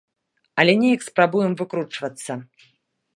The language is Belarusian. Але неяк спрабуем выкручвацца.